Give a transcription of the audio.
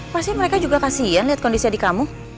pasti mereka juga kasian lihat kondisi adik kamu